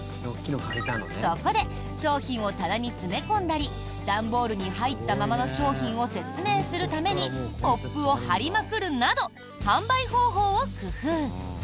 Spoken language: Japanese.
そこで商品を棚に詰め込んだり段ボールに入ったままの商品を説明するためにポップを貼りまくるなど販売方法を工夫。